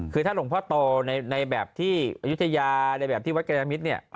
คือหลวงพ่อโตในแบบที่ยุธยาหรือแบบที่วัดกระจ่ายน้ำมิตร